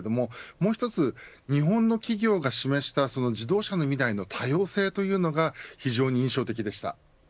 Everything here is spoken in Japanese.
もう一つ、日本の企業が示した自動車の未来の多様性というのが非常に印象的でした。